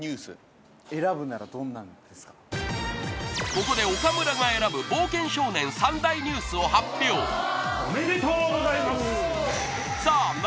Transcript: ここで岡村が選ぶ冒険少年３大ニュースを発表おめでとうございます！